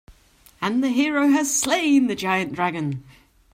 And the hero has slain the giant dragon.